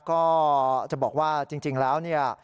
ก็จะบอกว่าจริงแล้วเนี่ย